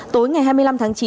tối ngày hai mươi năm tháng chín